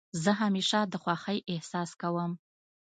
زه همېشه د خوښۍ احساس کوم.